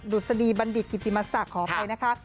ดุษฎีบัณฑิตกิติมสักขอไปนะคะ